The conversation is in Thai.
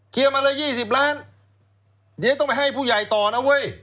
เคลียร์มาแล้ว๒๐ล้านเดี๋ยวต้องไปให้ผู้ใหญ่ต่อน่ะเว้ย